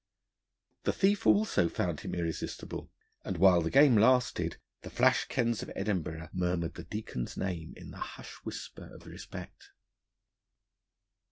The thief, also, found him irresistible; and while the game lasted, the flash kens of Edinburgh murmured the Deacon's name in the hushed whisper of respect.